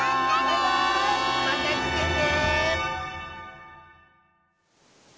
またきてね！